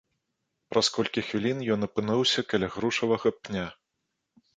Праз колькі хвілін ён апынуўся каля грушавага пня.